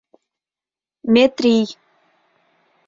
Метрий: